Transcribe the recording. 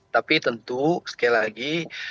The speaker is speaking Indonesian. tapi tentu sekali lagi